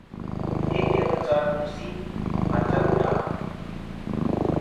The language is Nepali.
एक टेवल चार कुर्र्सी, भान्छा कोठामा ।